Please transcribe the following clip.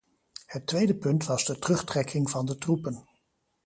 Het tweede punt was de terugtrekking van de troepen.